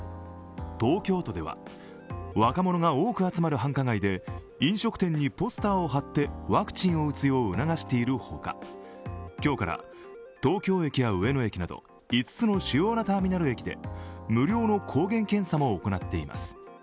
東京都では若者が多く集まる繁華街で飲食店にポスターを貼ってワクチンを打つよう促しているほか今日から東京駅や上野駅など５つの主要なターミナル駅で無料の抗原検査も行っています。